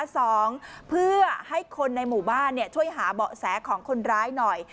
สองเพื่อให้คนในหมู่บ้านช่วยหาเบาะแสของคนร้ายหน่อย